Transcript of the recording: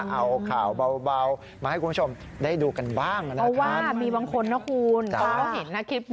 เอาข่าวเบามาให้คุณผู้ชมได้ดูกันบ้างนะครับ